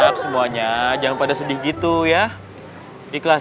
dia yang paling utama